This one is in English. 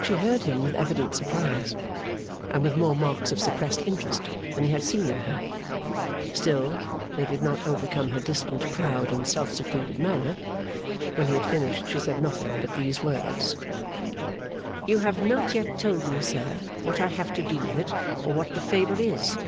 She heard him with evident surprise, and with more marks of suppressed interest than he had seen in her; still they did not overcome her distant, proud, and self secluded manner. When he had finished, she said nothing but these words: 'You have not yet told me, sir, what I have to do with it, or what the favour is?